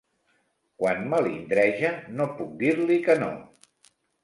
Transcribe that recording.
Quan melindreja no puc dir-li que no.